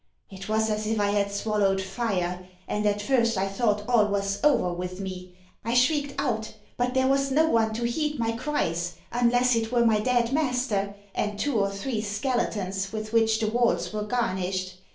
It was as if I had swallowed fire, and at first I thought all was over with me. I shrieked out; but there was no one to heed my cries, unless it were my dead master, and two or three skeletons with which the walls were garnished.